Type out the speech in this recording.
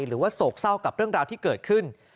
โศกเศร้ากับเรื่องราวที่เกิดขึ้น